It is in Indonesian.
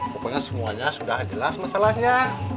pokoknya semuanya sudah jelas masalahnya